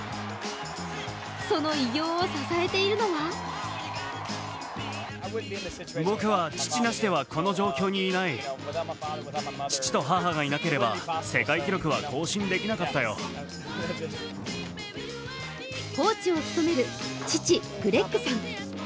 その偉業を支えているのはコーチを務める父・グレッグさん。